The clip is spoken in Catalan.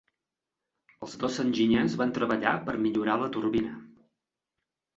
Els dos enginyers van treballar per millorar la turbina.